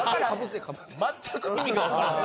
全く意味がわからない。